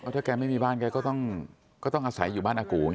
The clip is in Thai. ถ้าแกไม่มีบ้านแกก็ต้องอาศัยอยู่บ้านอากู